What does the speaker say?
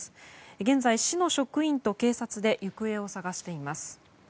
現在、市の職員と警察で行方を捜しています。